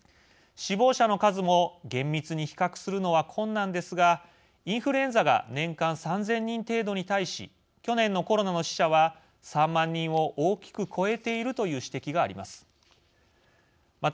死亡者の数も厳密に比較するのは困難ですがインフルエンザが年間３０００人程度に対し去年のコロナの死者は３万人を大きく超えているという指摘があります。